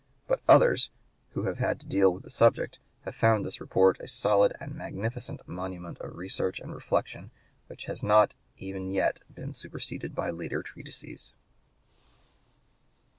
But others, who have had to deal with the subject, have found this report a solid and magnificent monument of research and reflection, which has not even yet been superseded by later treatises.